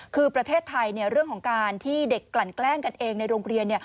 คือประเทศไทยเรื่องของการที่เด็กกลั่นแกล้งกันเองในโรงเรียน